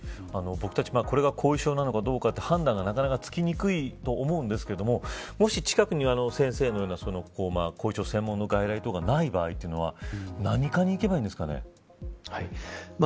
僕たち、これが後遺症なのかどうか判断がなかなか判断がつきにくいと思うんですけどもし近くに先生のような後遺症専門の外来がない場合というのは何科に行けばいいんですかね。